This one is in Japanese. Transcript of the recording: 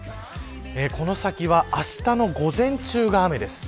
この先はあしたの午前中が雨です。